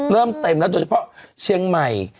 เริ่มเต็มแล้วโดยเฉพาะเชียงใหม่